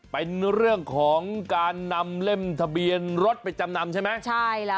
เป็นเรื่องของการนำเล่มทะเบียนรถไปจำนำใช่ไหมใช่แล้ว